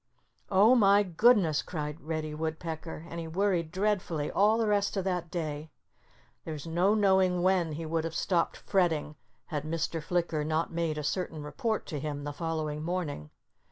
"Oh, my goodness!" cried Reddy Woodpecker. And he worried dreadfully all the rest of that day. There's no knowing when he would have stopped fretting had Mr. Flicker not made a certain report to him the following morning.